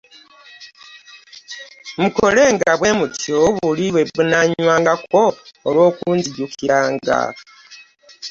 Mukolenga bwe mutyo buli lwe munaanywangako, olw'okunzijukiranga.